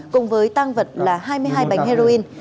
cùng với tang vật là hai mươi hai bánh heroin